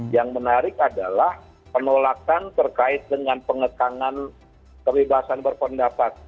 yang menarik adalah penolakan terkait dengan pengekangan kebebasan berpendapat